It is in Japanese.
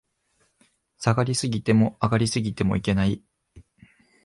下がり過ぎても、上がり過ぎてもいけない